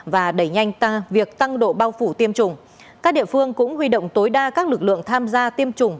và đẩy nhanh ta việc tăng độ bao phủ tiêm chủng các địa phương cũng huy động tối đa các lực lượng tham gia tiêm chủng